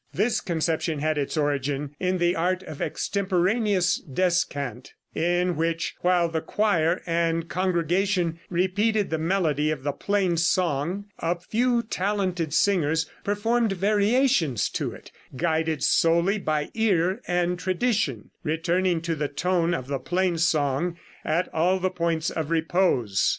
This conception had its origin in the art of extemporaneous descant, in which, while the choir and congregation repeated the melody of the plain song, a few talented singers performed variations to it, guided solely by ear and tradition, returning to the tone of the plain song at all the points of repose.